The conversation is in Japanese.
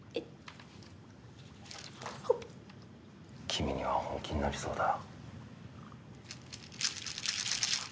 君には本気になりそうだ。